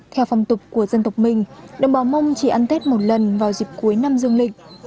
theo phong tục của dân tộc mình đồng bào mông chỉ ăn tết một lần vào dịp cuối năm dương lịch